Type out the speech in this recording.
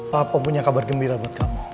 papa punya kabar gembira buat kamu